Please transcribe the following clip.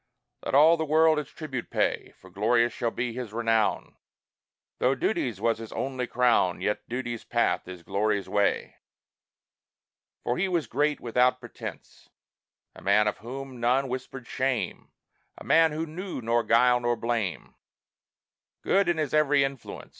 Let all the world its tribute pay, For glorious shall be his renown; Though duty's was his only crown, Yet duty's path is glory's way. For he was great without pretence; A man of whom none whispered shame, A man who knew nor guile nor blame; Good in his every influence.